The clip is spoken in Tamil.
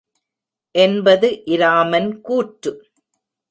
என்பது இராமன் கூற்று.